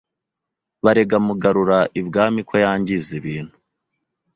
barega Mugarura ibwami ko yangiza ibintu.